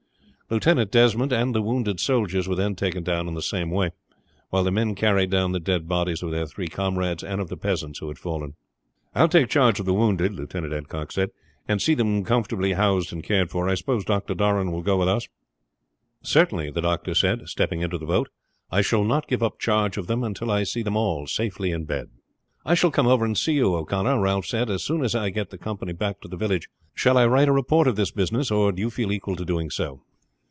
Lieutenant Desmond and the wounded soldiers were then taken down in the same way, while the men carried down the dead bodies of their three comrades and of the peasants who had fallen. "I will take charge of the wounded," Lieutenant Adcock said, "and see them comfortably housed and cared for. I suppose Dr. Doran will go with us." "Certainly," the doctor said, stepping into the boat. "I shall not give up charge of them until I see them all safely in bed." "I shall come over and see you O'Connor," Ralph said, "as soon as I get the company back to the village. Shall I write a report of this business, or do you feel equal to doing so?"